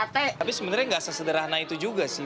tapi sebenarnya nggak sesederhana itu juga sih